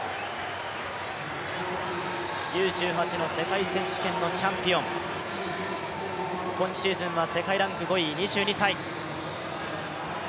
Ｕ−１８の世界選手権のチャンピオン、今シーズンは世界ランク５位、２２歳。